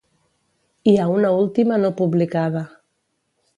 Hi ha una última no publicada.